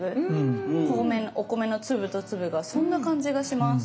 お米の粒と粒がそんな感じがします。